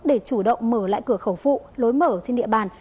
để chủ động mở lại cửa khẩu phụ lối mở trên địa bàn